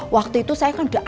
waktu itu saya kan udah ambil